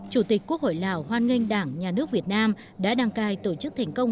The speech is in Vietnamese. chủ tịch quốc hội lào hoan nghênh đảng nhà nước việt nam đã đăng cai tổ chức thành công